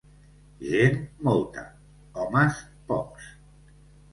Gent, molta: homes, pocs.